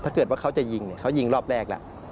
ถ้าเกิดว่าเขาจะยิงเขายิงรอบแรกละ